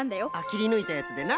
きりぬいたやつでな。